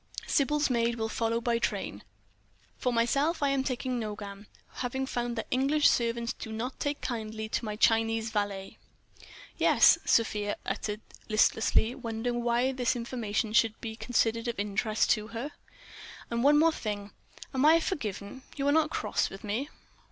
Sybil's maid will follow by train. For myself, I am taking Nogam—having found that English servants do not take kindly to my Chinese valet." "Yes ..." Sofia uttered, listlessly, wondering why this information should be considered of interest to her. "And one thing more: I am forgiven? You are not cross with me?"